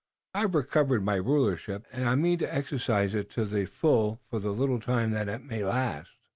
I've recovered my rulership, and I mean to exercise it to the full for the little time that it may last."